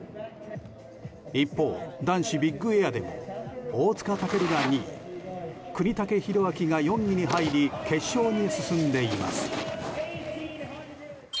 一方、男子ビッグエアでも大塚健が２位國武大晃が４位に入り決勝に進んでいます。